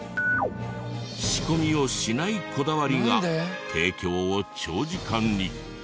仕込みをしないこだわりが提供を長時間に。